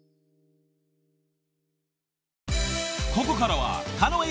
［ここからは］